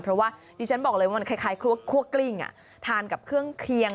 เพราะว่าดิฉันบอกเลยว่ามันคล้ายคั่วกลิ้งทานกับเครื่องเคียง